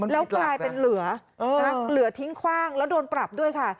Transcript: แล้วกลายเป็นเหลือเหลือทิ้งคว่างแล้วโดนปรับด้วยค่ะ